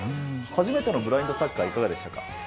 初めてのブラインドサッカーいかがでしたか？